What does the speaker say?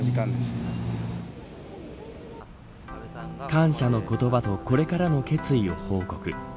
感謝の言葉とこれからの決意を報告。